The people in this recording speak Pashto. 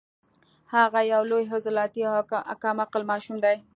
هغه یو لوی عضلاتي او کم عقل ماشوم دی